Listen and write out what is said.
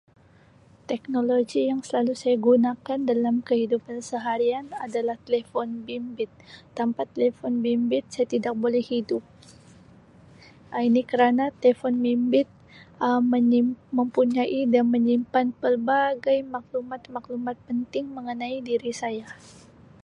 Teknologi selalu saya gunakan dalam kehidupan seharian adalah telefon bimbit tanpa telefon bimbit saya tidak boleh hidup ini kerana telefon bimbit Um menyimpan dan mempunyai menyimpan pelbagai maklumat-maklumat penting mengenai diri saya.